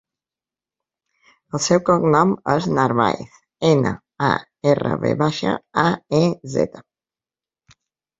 El seu cognom és Narvaez: ena, a, erra, ve baixa, a, e, zeta.